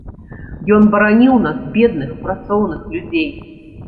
Ён бараніў нас, бедных, працоўных людзей.